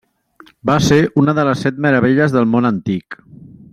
Va ser una de les Set Meravelles del Món Antic.